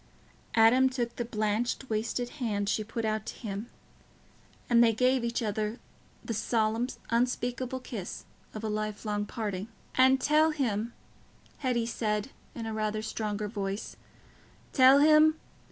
Adam took the blanched wasted hand she put out to him, and they gave each other the solemn unspeakable kiss of a lifelong parting. "And tell him," Hetty said, in rather a stronger voice, "tell him...